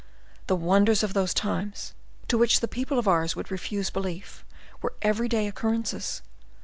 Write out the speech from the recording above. The wonders of those times, to which the people of ours would refuse belief, were every day occurrences.